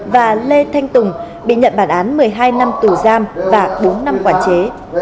và lê thanh tùng bị nhận bản án một mươi hai năm tù giam và bốn năm quản chế